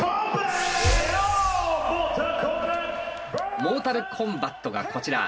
モータルコンバットがこちら。